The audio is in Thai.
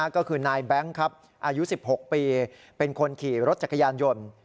ก็คือนายแบงค์ครับอายุ๑๖ปีเป็นคนขี่รถจักรยานยนต์